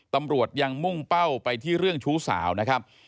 ตำรวจยังมุ่งเป้าไปที่เรื่องชู้สาวนะครับ